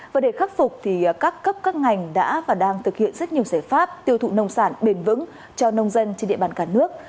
và để khắc phục thì các cấp các ngành đã và đang thực hiện rất nhiều giải pháp tiêu thụ nông sản bền vững cho nông dân trên địa bàn cả nước